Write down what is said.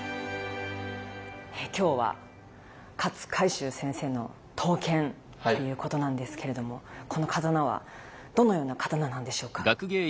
今日は勝海舟先生の刀剣ということなんですけれどもこの刀はどのような刀なんでしょうか。